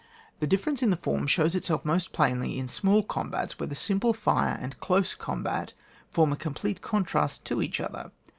The difference in the form shows itself most plainly in small combats, where the simple fire and close combat form a complete contrast to each other.